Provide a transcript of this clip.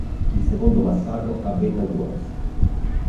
Il secondo massacro avvenne a Worms.